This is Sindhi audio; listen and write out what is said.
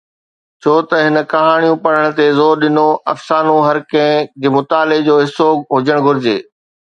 ڇو ته هن ڪهاڻيون پڙهڻ تي زور ڏنو، افسانو هر ڪنهن جي مطالعي جو حصو هجڻ گهرجي؟